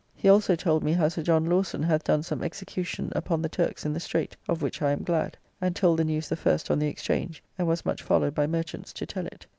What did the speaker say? He also told me how Sir John Lawson hath done some execution upon the Turks in the Straight, of which I am glad, and told the news the first on the Exchange, and was much followed by merchants to tell it.